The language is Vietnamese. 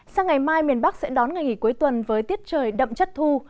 sang ngày mai miền bắc sẽ đón ngày nghỉ cuối tuần với tiết trời đậm chất thu